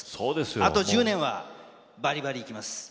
あと１０年はばりばりいきます。